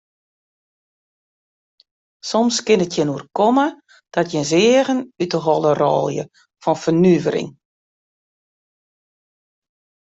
Soms kin it jin oerkomme dat jins eagen út de holle rôlje fan fernuvering.